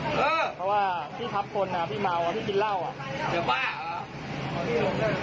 เออเพราะว่าพี่ทับคนอ่ะพี่เมาอ่ะพี่กินเหล้าอ่ะจะบ้าเหรอ